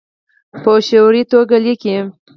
په شعوري توګه لیکي